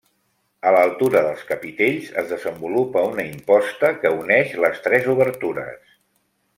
A l'altura dels capitells es desenvolupa una imposta que uneix les tres obertures.